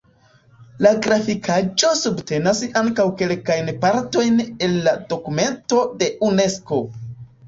La grafikaĵo subtenas ankaŭ kelkajn partojn el la dokumento de Unesko.